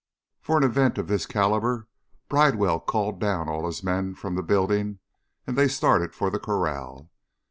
For an event of this caliber, Bridewell called down all his men from the building, and they started for the corral.